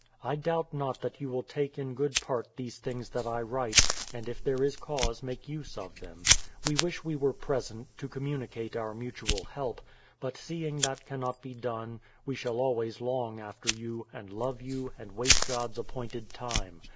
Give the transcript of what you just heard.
I doubt not that you will take in good part these things that I write, and if there is cause make use of them. We wish we were present, to communicate our mutual help; but seeing that cannot be done, we shall always long after you, and love you, and wait God's appointed time.